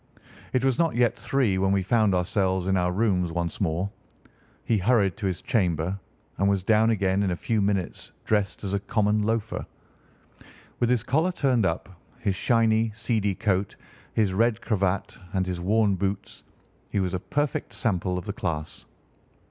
It was not yet three when we found ourselves in our rooms once more. He hurried to his chamber and was down again in a few minutes dressed as a common loafer. With his collar turned up, his shiny, seedy coat, his red cravat, and his worn boots, he was a perfect sample of the class.